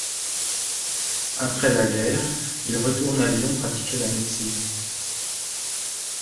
Après la guerre, ils retournent à Lyon pratiquer la médecine.